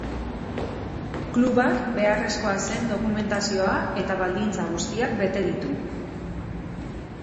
Klubak beharrezkoa zen dokumentazioa eta baldintza guztiak bete ditu.